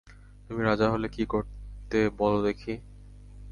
তুমি রাজা হলে কী করতে বলো দেখি।